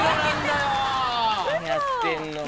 何やってんのマジ。